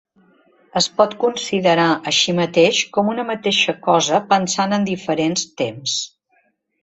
Es pot considerar, així mateix, com una mateixa cosa pensant en diferents temps.